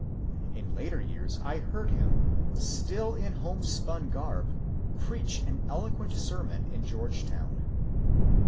In later years I heard him — still in homespun garb — preach an eloquent sermon in Georgetown.